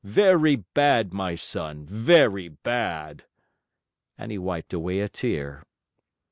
Very bad, my son, very bad!" And he wiped away a tear.